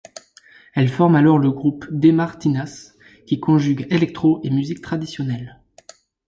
Elle forme alors le groupe De Martinas, qui conjugue electro et musique traditionnelle.